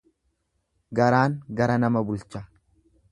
Garaan gara nama bulcha.